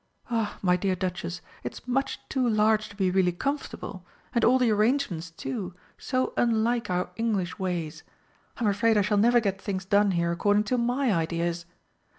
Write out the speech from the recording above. "Ah, my dear Duchess, it's much too large to be really comfortable, and all the arrangements, too, so unlike our English ways! I'm afraid I shall never get things done here according to my ideas....